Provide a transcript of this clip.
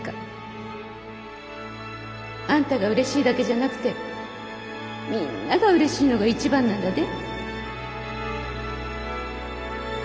あんたがうれしいだけじゃなくてみぃんながうれしいのが一番なんだで。